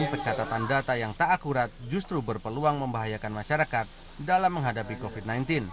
pencatatan data yang tak akurat justru berpeluang membahayakan masyarakat dalam menghadapi covid sembilan belas